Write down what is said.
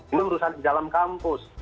ini urusan di dalam kampus